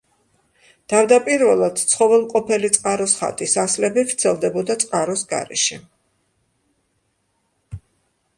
თავდაპირველად ცხოველმყოფელი წყაროს ხატის ასლები ვრცელდებოდა წყაროს გარეშე.